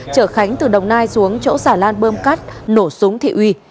chở khánh từ đồng nai xuống chỗ xã lan bơm cát nổ súng thị uy